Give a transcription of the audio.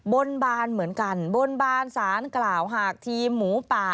บนบานเหมือนกันบนบานสารกล่าวหาทีมหมูป่า